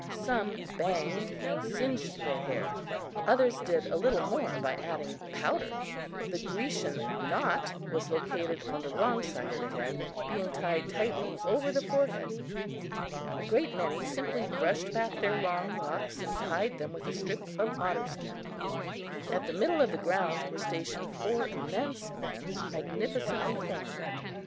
Some banged and singed their hair; others did a little more by adding powder. The Grecian knot was located on the wrong side of the head, being tied tightly over the forehead. A great many simply brushed back their long locks and tied them with a strip of otter skin. At the middle of the ground were stationed four immense men, magnificently formed.